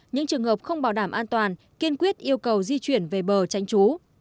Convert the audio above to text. những trường hợp không bảo đảm an toàn kiên quyết yêu cầu di chuyển về bờ tránh trú